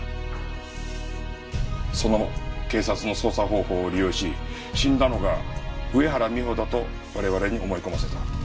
その警察の捜査方法を利用し死んだのが上原美帆だと我々に思い込ませた。